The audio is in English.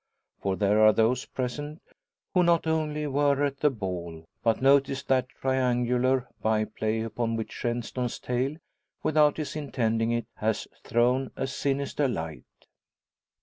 For there are those present who not only were at the ball, but noticed that triangular byplay upon which Shenstone's tale, without his intending it, has thrown a sinister light.